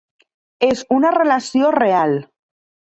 És una relació real.